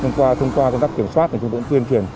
nhưng qua công tác kiểm soát thì chúng tôi cũng tuyên truyền